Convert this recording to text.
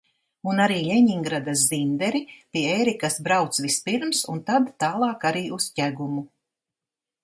Un arī Ļeņingradas Zinderi pie Ērikas brauc vispirms un tad tālāk arī uz Ķegumu.